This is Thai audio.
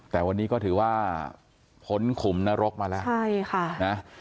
แต่วันนี้ก็ถือว่าพ้นขุมนรกมาแล้วใช่ค่ะนะ